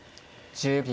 １０秒。